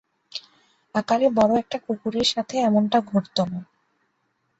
আকারে বড় একটা কুকুরের সাথে এমনটা ঘটতো না।